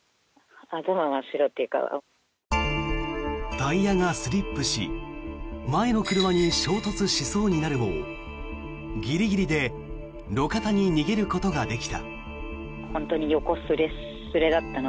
タイヤがスリップし前の車に衝突しそうになるもギリギリで路肩に逃げることができた。